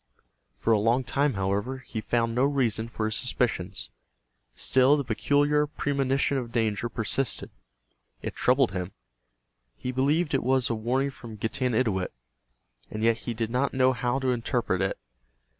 For a long time, however, he found no reason for his suspicions. Still the peculiar premonition of danger persisted. It troubled him. He believed it was a warning from Getanittowit, and yet he did not know how to interpret it.